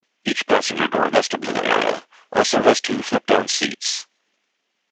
Each passenger door vestibule area also has two flip-down seats.